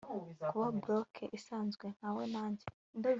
kuba bloke isanzwe nkawe na njye